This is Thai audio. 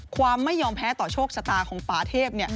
ความไม่ยอมแพ้ต่อโชคชะตาของป่าเทพ